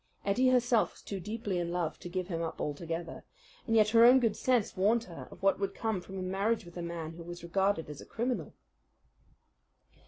Ettie herself was too deeply in love to give him up altogether, and yet her own good sense warned her of what would come from a marriage with a man who was regarded as a criminal.